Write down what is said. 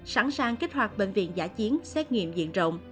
sẵn sàng kích hoạt bệnh viện giả chiến xét nghiệm diện rộng